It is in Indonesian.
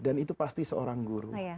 dan itu pasti seorang guru